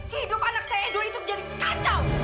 hidup anak saya edo itu jadi kacau